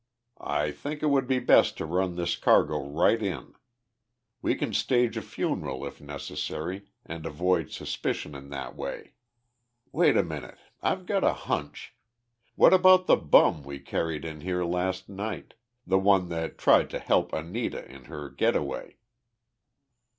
I think it would be best to run this cargo right in. We can stage a funeral, if necessary, and avoid suspicion in that way. Wait a minute! I've got a hunch! What about the bum we carried in here last night the one that tried to help Anita in her getaway?"